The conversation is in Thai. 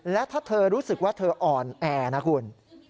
และถ้าเธอรู้สึกว่าเธออ่อนแอนะคุณ